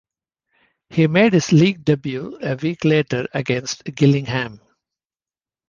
He made his league debut a week later against Gillingham.